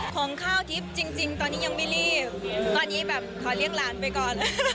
ของข้าวทิพย์จริงตอนนี้ยังไม่รีบตอนนี้แบบขอเลี้ยงหลานไปก่อน